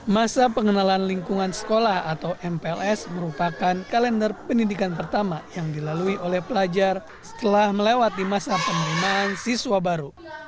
masa pengenalan lingkungan sekolah atau mpls merupakan kalender pendidikan pertama yang dilalui oleh pelajar setelah melewati masa penerimaan siswa baru